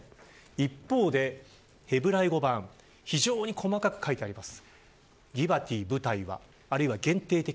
一方で、ヘブライ語版非常に細かく書いてあります。